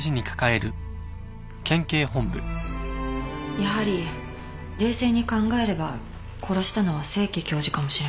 やはり冷静に考えれば殺したのは清家教授かもしれません。